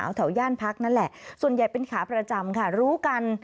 ไทยแห้ว่าที่ที่แขนนั่นแหละส่วนใหญ่เป็นขาประจำค่ะ